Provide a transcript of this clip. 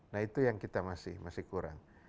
nah itu yang kita masih kurang